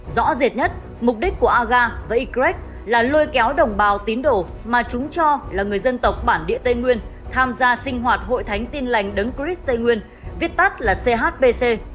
rõ rệt nhất mục đích của aga và ycret là lôi kéo đồng bào tín đồ mà chúng cho là người dân tộc bản địa tây nguyên tham gia sinh hoạt hội thánh tin lành đấng chris tây nguyên viết tắt là chbc